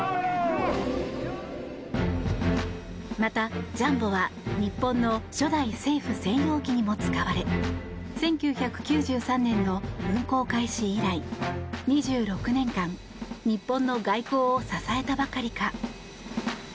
また、ジャンボは日本の初代政府専用機にも使われ１９９３年の運航開始以来２６年間日本の外交を支えたばかりか。